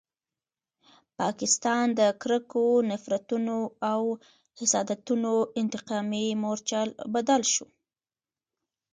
پاکستان د کرکو، نفرتونو او حسادتونو انتقامي مورچل بدل شو.